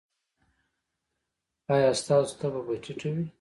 ایا ستاسو تبه به ټیټه وي؟